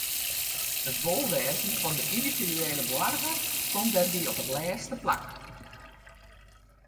It wolwêzen fan de yndividuele boarger komt dêrby op it lêste plak.